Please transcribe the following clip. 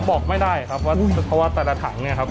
อ๋อบอกไม่ได้ครับเพราะว่าแต่ละถังเนี่ยครับ